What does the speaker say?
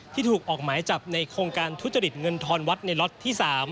ที่ถูกออกหมายจับในโครงการทุจริตเงินทอนวัดในล็อตที่๓